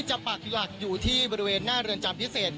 ปักหลักอยู่ที่บริเวณหน้าเรือนจำพิเศษ